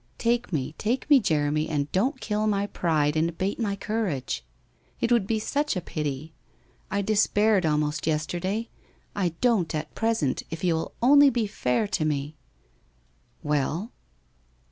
Take me, take me, Jeremy, and don't kill my pride, and abate my courage. It would be such a pity. I despaired, almost, yesterday. I don't at present, if you will only be fair to me ', 'Well?'